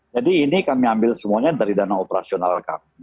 jadi ini kami ambil semuanya dari dana operasional kami